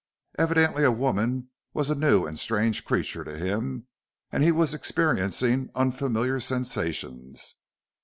Evidently a woman was a new and strange creature to him and he was experiencing unfamiliar sensations.